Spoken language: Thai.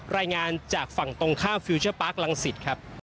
รายงานจากฝั่งตรงข้ามฟิลเชอร์ปาร์คลังศิษย์ครับ